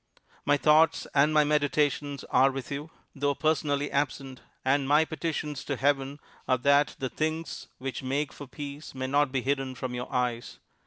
"My thoughts and my meditations are with you, though personally absent; and my petitions to Heaven are that the things which make for peace may not be hidden from your eyes.